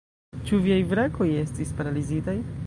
Ĉu viaj brakoj estis paralizitaj?